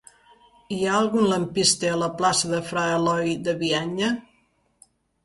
Hi ha algun lampista a la plaça de Fra Eloi de Bianya?